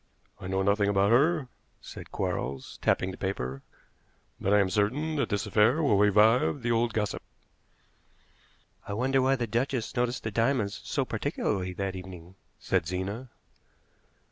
"I know nothing about her," said Quarles, tapping the paper; "but I am certain that this affair will revive the old gossip." "I wonder why the duchess noticed the diamonds so particularly that evening," said Zena.